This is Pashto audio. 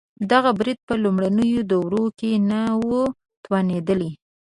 دغه برید په لومړنیو دورو کې نه و توانېدلی.